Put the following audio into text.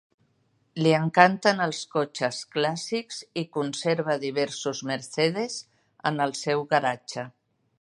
Li encanten els cotxes clàssics i conserva diversos Mercedes en el seu garatge